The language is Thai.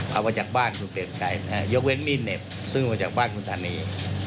พามาจากบ้านเพิ่มใช้นะฮะยกเว้นมีเน็บซึ่งมาจากบ้านคุณธรรมี